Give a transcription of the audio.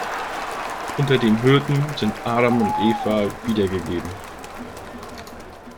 Unter dem Hirten sind Adam und Eva wiedergegeben.